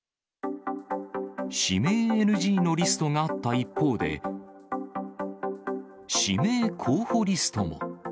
指名ＮＧのリストがあった一方で、指名候補リストも。